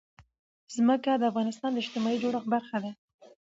ځمکه د افغانستان د اجتماعي جوړښت برخه ده.